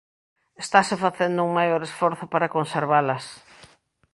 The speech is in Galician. Estase facendo un maior esforzo para conservalas.